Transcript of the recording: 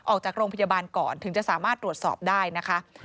ออกจากโรงพยาบาลก่อนถึงจะสามารถตรวจสอบได้นะคะ